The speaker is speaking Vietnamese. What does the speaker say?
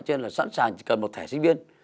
cho nên là sẵn sàng chỉ cần một thẻ sinh viên